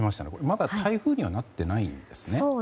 まだ台風にはなってないんですね？